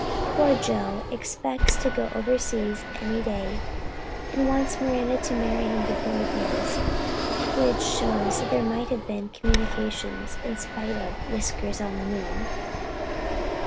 Poor Joe expects to go overseas any day and wants Miranda to marry him before he goes, which shows that there have been 'communications' in spite of Whiskers on the moon.